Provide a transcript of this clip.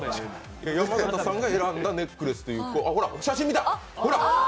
山形さんが選んだネックレスということでほら！